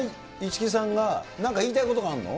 そんな市來さんがなんか言いたいことがあるの？